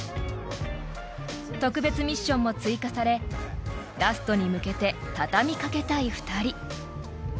［特別ミッションも追加されラストに向けて畳み掛けたい２人］